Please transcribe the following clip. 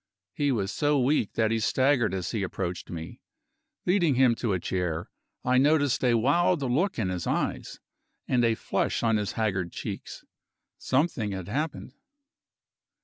He was so weak that he staggered as he approached me. Leading him to a chair, I noticed a wild look in his eyes, and a flush on his haggard cheeks. Something had happened.